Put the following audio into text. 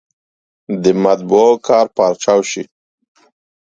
د مطبعو کار پارچاو شي.